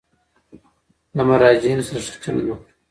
له مراجعینو سره ښه چلند وکړئ.